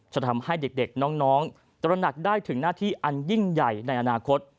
จะทำให้เด็กน้องตระหนักได้ถึงหน้าที่อันยิ่งใหญ่ในอนาคต